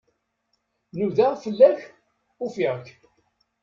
Nudaɣ fell-ak, ufiɣ-k.